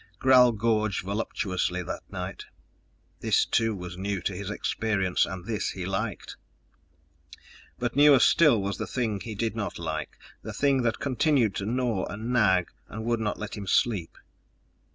Gral gorged voluptuously that night. This too was new to his experience, and this he liked. But newer still was the thing he did not like, the thing that continued to gnaw and nag and would not let him sleep.